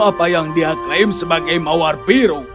apa yang dia klaim sebagai mawar biru